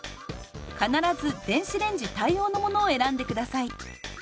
必ず電子レンジ対応のものを選んで下さい。